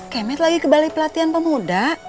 kemit lagi ke balai pelatihan pemuda